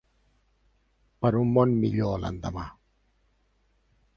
Per un món millor l'endemà.